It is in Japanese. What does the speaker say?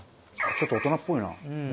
ちょっと大人っぽいな。